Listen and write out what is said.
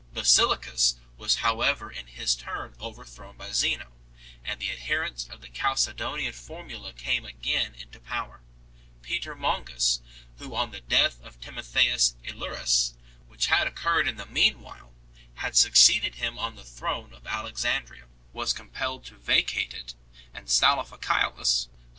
Basiliscus was however in his turn overthrown by Zeno, and the adherents of the Chalcedonian formula came again into power. Peter Mongus, who on the death of Timotheus Aelurus, which had occurred in the meanwhile, had succeeded him on the throne of Alexandria, was com pelled to vacate it, and Salophaciolus, who was popular 1 AtXovpos in Evagrius, "EXov/oos in Theophanes.